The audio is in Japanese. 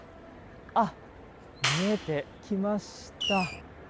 あ、見えてきました。